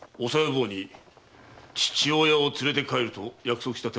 坊に「父親を連れて帰る」と約束した手前な。